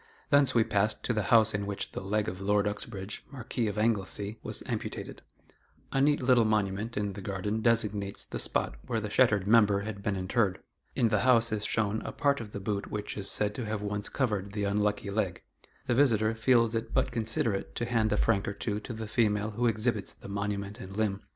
Thence we passed to the house in which the leg of Lord Uxbridge (Marquis of Anglesey) was amputated. A neat little monument in the garden designates the spot where the shattered member had been interred. In the house is shown a part of the boot which is said to have once covered the unlucky leg. The visitor feels it but considerate to hand a franc or two to the female who exhibits the monument and limb.